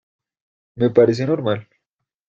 me parece normal.